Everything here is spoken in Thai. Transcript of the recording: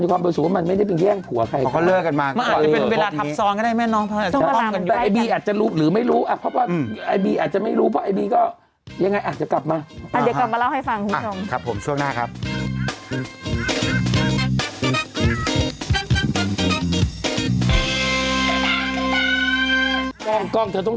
ทีมประเทศไทย๓๐นาทีเพราะครบ๓๐นาทีก็กลับห้อง